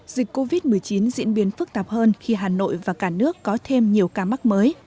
dịch covid một mươi chín diễn biến phức tạp hơn khi hà nội và cả nước có thêm nhiều ca mắc mới